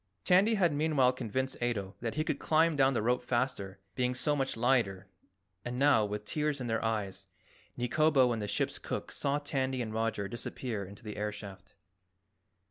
Tandy had meanwhile convinced Ato that he could climb down the rope faster, being so much lighter, and now, with tears in their eyes, Nikobo and the ship's cook saw Tandy and Roger disappear into the air shaft.